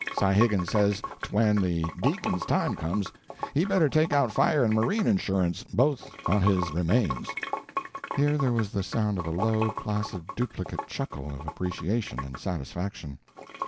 Si Higgins says 't when the deacon's time comes, he better take out fire and marine insurance both on his remains." Here there was the sound of a low, placid, duplicate chuckle of appreciation and satisfaction.